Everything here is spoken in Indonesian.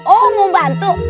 oh mau bantu